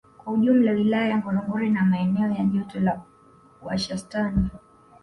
Kwa ujumla Wilaya ya Ngorongoro ina maeneo ya joto la washastani